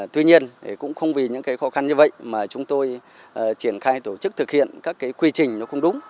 tuy nhiên cũng không vì những cái khó khăn như vậy mà chúng tôi triển khai tổ chức thực hiện các quy trình nó không đúng